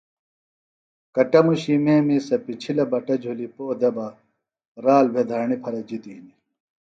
کٹموشی میمیۡ سےۡ پِچھلہ بٹہ جُھلیۡ پو دےۡ بہ رال بھےۡ دھرݨیۡ پھرےۡ جِتیۡ ہنیۡ